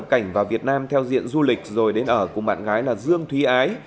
nhóm đã nhập cảnh vào việt nam theo diện du lịch rồi đến ở cùng bạn gái là dương thúy ái